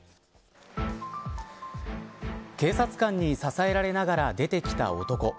警察官に支えられながら出てきた男。